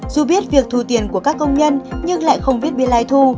dù biết việc thu tiền của các công nhân nhưng lại không biết biên lai thu